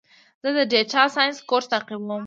زه د ډیټا ساینس کورس تعقیبوم.